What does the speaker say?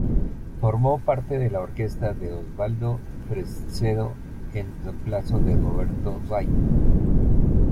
Formó parte de la Orquesta de Osvaldo Fresedo, en reemplazo de Roberto Ray.